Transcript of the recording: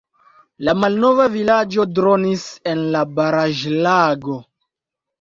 La malnova vilaĝo dronis en la baraĵlago.